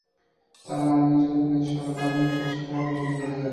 তাঁরা নারী নির্যাতন প্রতিরোধে সরকারের রাজনৈতিক সদিচ্ছা থাকার বিষয়টিতে গুরুত্ব দেন।